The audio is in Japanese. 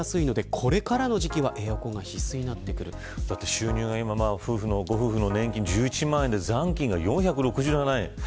収入は夫婦の年金１１万円で残金が４６７円。